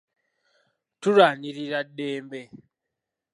Tulwanirira ddembe.